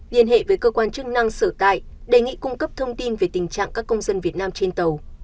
liên hệ với cơ quan chức năng sở tại đề nghị cung cấp thông tin về tình trạng các công dân việt nam trên tàu